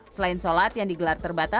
selain sholat yang digelar terbatas